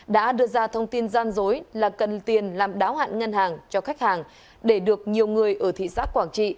đã đưa ra thông tin gian dối là cần tiền làm đáo hạn ngân hàng cho khách hàng để được nhiều người ở thị xã quảng trị